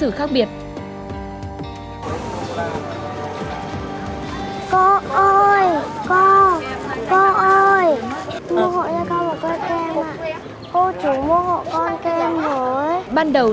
đi học lớp mấy giờ